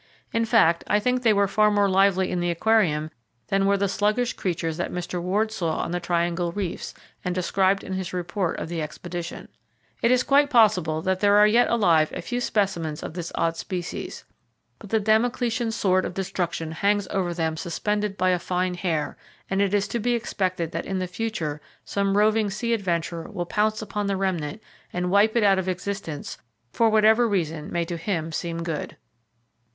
In fact, I think they were far more lively in the Aquarium than were the sluggish creatures that Mr. Ward saw on the Triangle reefs, and described in his report of the expedition. It is quite possible that there are yet alive a few specimens of this odd species; but the Damocletian sword of destruction hangs over them suspended by a fine hair, and it is to be expected that in the future [Page 40] some roving sea adventurer will pounce upon the Remnant, and wipe it out of existence for whatever reason may to him seem good. CALIFORNIA ELEPHANT SEAL Photographed on Guadalupe Island by C.H. Townsend.